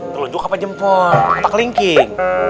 telunjuk apa jempol apa kelingking